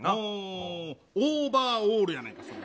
オーバーオールやないか、それは。